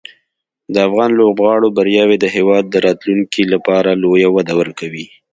د افغان لوبغاړو بریاوې د هېواد د راتلونکي لپاره لویه وده ورکوي.